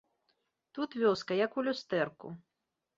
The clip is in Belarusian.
Тут вёска як у люстэрку.